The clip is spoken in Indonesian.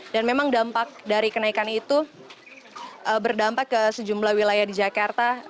dan memang dampak dari kenaikan itu berdampak ke sejumlah wilayah di jakarta